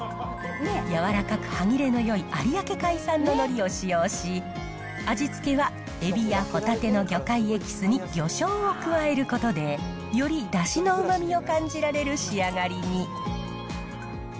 柔らかく歯切れのよい有明海産ののりを使用し、味付けはエビやホタテの魚介エキスに魚しょうを加えることで、よりだしのうまみを感じられる仕上がりに。